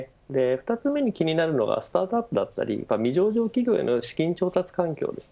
２つ目に気になるのがスタートアップだったり未上場企業の資金調達環境です。